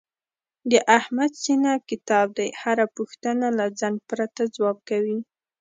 د احمد سینه کتاب دی، هره پوښتنه له ځنډ پرته ځواب کوي.